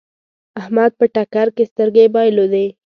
احمد په ټکر کې سترګې بايلودې.